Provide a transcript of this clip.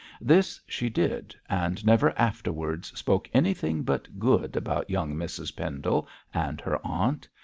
This she did, and never afterwards spoke anything but good about young Mrs Pendle and her aunt.